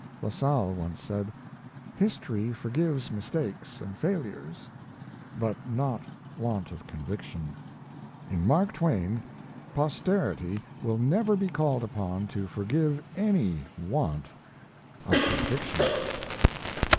Lassalle once said: "History forgives mistakes and failures, but not want of conviction." In Mark Twain, posterity will never be called upon to forgive any want of conviction.